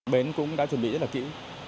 bến cũng đã chuẩn bị rất là kỹ